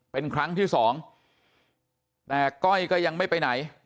เป็นครั้งที่สองแต่ก้อยก็ยังไม่ไปไหน